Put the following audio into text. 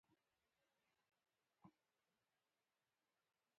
تجربه د وخت له تېرېدو راټوکېږي.